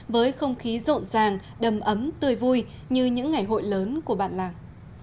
với không khí rộn ràng đầm ấm tươi vui như những ngày hội lớn của bản làng